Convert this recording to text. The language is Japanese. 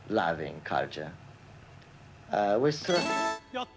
やった！